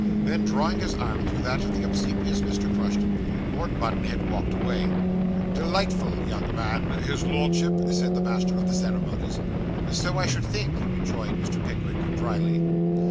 Then, drawing his arm through that of the obsequious Mr. Crushton, Lord Mutanhed walked away. 'Delightful young man, his Lordship,' said the Master of the Ceremonies. 'So I should think,' rejoined Mr. Pickwick drily.